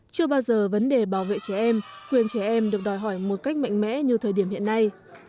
chưa bao giờ vấn đề bảo vệ trẻ em quyền trẻ em được đòi hỏi một cách mạnh mẽ như thời điểm hiện nay